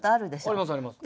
ありますあります。